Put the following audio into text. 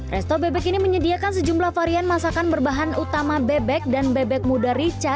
resto bebek ini menyediakan sejumlah varian masakan berbahan utama bebek dan bebek muda rica